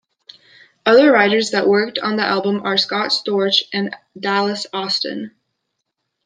Other writers that worked on the album are Scott Storch and Dallas Austin.